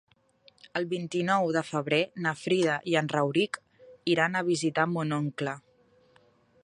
El vint-i-nou de febrer na Frida i en Rauric iran a visitar mon oncle.